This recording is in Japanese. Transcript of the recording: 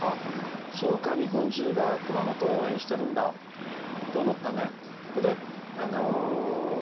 そうか、日本中が熊本を応援しているんだと思ったね。